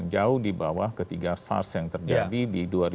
jauh di bawah ketiga sars yang terjadi di dua ribu dua dua ribu tiga